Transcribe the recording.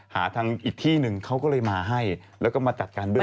หาทางอีกที่หนึ่งเขาก็เลยมาให้แล้วก็มาจัดการเรื่อง